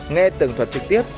nghe tường thuật trực tiếp